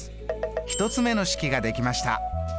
１つ目の式ができました。